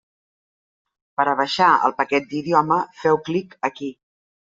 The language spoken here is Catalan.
Per a baixar el paquet d'idioma feu clic aquí.